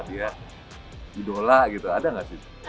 dia idola gitu ada nggak sih